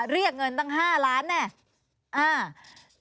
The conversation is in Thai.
เรียกเงินตั้ง๕ล้านแน่